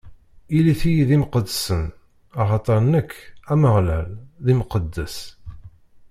Ilit-iyi d imqeddsen, axaṭer nekk, Ameɣlal, d Imqeddes.